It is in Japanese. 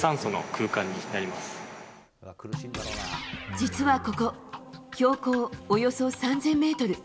実はここ標高およそ３０００ｍ。